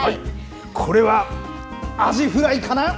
これはアジフライかな。